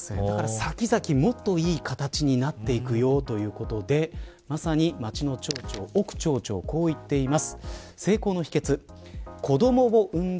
先々もっといい形になっていくよということで奥町長は、こう言っています。